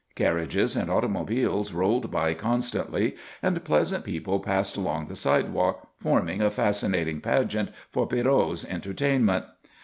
Carriages and automobiles rolled by constantly, and pleasant people passed along the sidewalk, forming a fascinating pageant for Pierrot's entertainment.